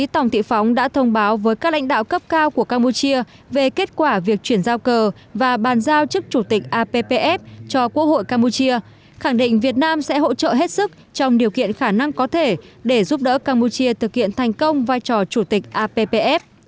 tổng thị phóng đã thông báo với các lãnh đạo cấp cao của campuchia về kết quả việc chuyển giao cờ và bàn giao chức chủ tịch appf cho quốc hội campuchia khẳng định việt nam sẽ hỗ trợ hết sức trong điều kiện khả năng có thể để giúp đỡ campuchia thực hiện thành công vai trò chủ tịch appf